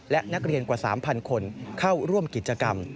และนักเรียนกว่า๓๐๐คนเข้าร่วมกิจกรรม